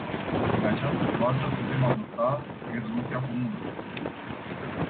Pe această bază putem adopta rezoluția comună.